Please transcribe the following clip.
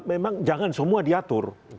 memang jangan semua diatur